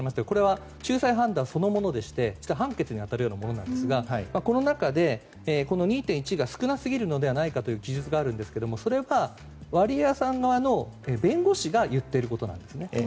これは仲裁判断そのものでして判決に当たるようなものなんですがこの中で、２．１が少なすぎるのではないかという記述があるんですけどもそれはワリエワさん側の弁護士が言っていることなんですね。